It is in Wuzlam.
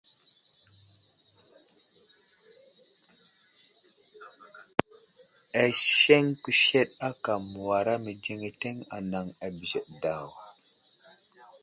Aseŋ kusəɗ aka məwara mədzeŋeteŋ anaŋ a bəzəɗe daw.